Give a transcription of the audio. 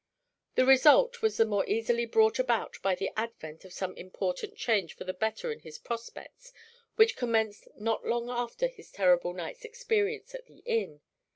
The result was the more easily brought about by the advent of some important changes for the better in his prospects which commenced not long after his terrible night's experience at the inn.